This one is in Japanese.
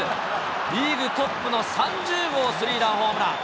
リーグトップの３０号スリーランホームラン。